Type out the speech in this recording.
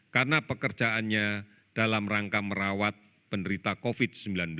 karena pekerjaannya dalam rangka merawat penderita covid sembilan belas